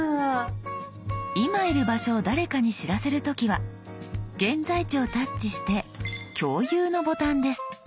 今いる場所を誰かに知らせる時は「現在地」をタッチして「共有」のボタンです。